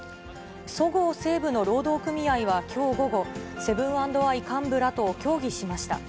そごう・西武の労働組合はきょう午後、セブン＆アイ幹部らと協議しました。